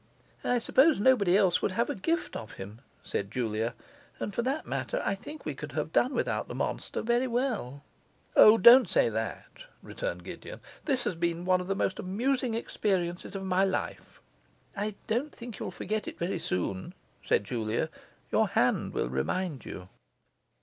'I suppose nobody else would have a gift of him,' said Julia. 'And for that matter, I think we could have done without the monster very well.' 'O, don't say that,' returned Gideon. 'This has been one of the most amusing experiences of my life.' 'I don't think you'll forget it very soon,' said Julia. 'Your hand will remind you.